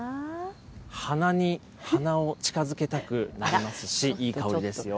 鼻に花を近づけたくなりますし、いい香りですよ。